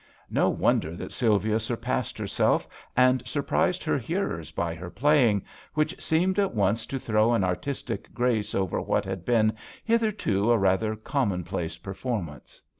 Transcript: No wonder that Sylvia sur passed herself and surprised her XHE VIOLIN OBBLIGATO. 67 hearers by her playing, which seemed at once to throw an artistic grace over what had been hitherto a rather common place performance.